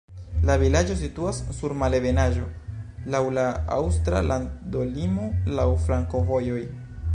La vilaĝo situas sur malebenaĵo, laŭ la aŭstra landolimo, laŭ flankovojoj.